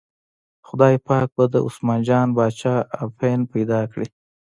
خدای پاک به د عثمان جان باچا اپین پیدا کړي.